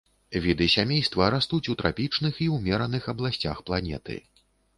Віды сямейства растуць у трапічных і ўмераных абласцях планеты.